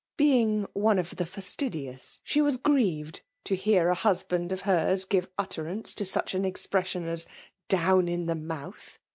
Being one of the fastidious^ she was grieved to hear a husband of hers give utterance to such an ex pression BH " down in the mouth